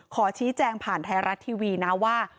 ขอชี้แจงผ่านไทยรัฐทีวีนะว่า